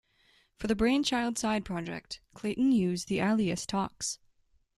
For the Brainchild side project, Klayton used the alias Tox.